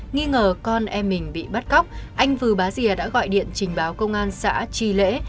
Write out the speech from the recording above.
nghi ngờ con em mình bị bắt cóc anh vừa bá dìa đã gọi điện trình báo công an xã chi lễ